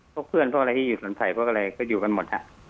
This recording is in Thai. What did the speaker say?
พวกเพื่อนพวกอะไรที่อยู่สนใจพวกอะไรก็อยู่กันหมด